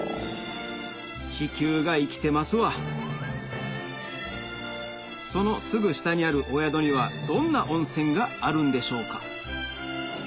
地球が生きてますわそのすぐ下にあるお宿にはどんな温泉があるんでしょうか？